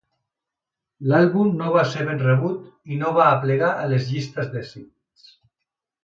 L'àlbum no va ser ben rebut i no va aplegar a les llistes d'èxits.